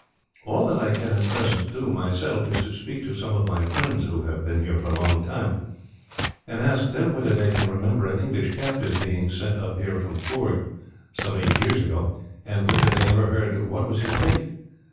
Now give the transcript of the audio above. "All that I can at present do, myself, is to speak to some of my friends who have been here for a long time, and ask them whether they can remember an English captive being sent up here from Coorg, some eight years ago, and whether they ever heard what was his fate.